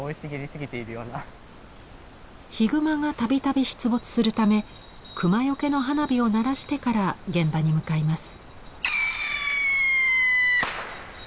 ヒグマが度々出没するためクマよけの花火を鳴らしてから現場に向かいます。